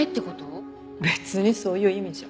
別にそういう意味じゃ。